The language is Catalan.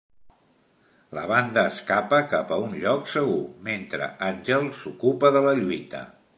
La banda escapa cap a un lloc segur mentre Angel s'ocupa de la lluita.